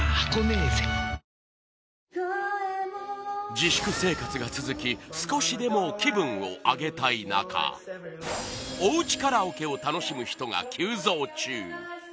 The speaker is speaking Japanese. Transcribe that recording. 自粛生活が続き少しでも気分を上げたい中おうちカラオケを楽しむ人が急増中！